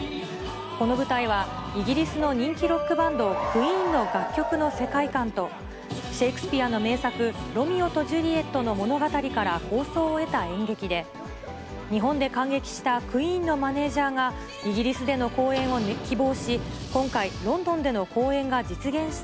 この舞台は、イギリスの人気ロックバンド、クイーンの楽曲の世界観と、シェイクスピアの名作、ロミオとジュリエットの物語から構想を得た演劇で、日本で観劇したクイーンのマネージャーが、イギリスでの公演を希望し、今回、ロンドンでの公演が実現し